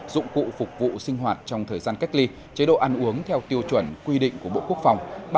dụng cụ phục vụ sinh hoạt trong thời gian cách ly chế độ ăn uống theo tiêu chuẩn quy định của bộ quốc phòng